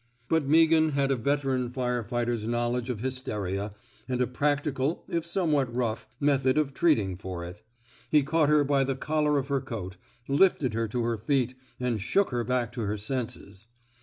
But Meaghan had a veteran fire fighter ^s knowledge of hysteria, and a practical, if somewhat rough, method of treatment for it. He caught her by the collar of her coat, lifted her to her feet, and shook her back to her senses.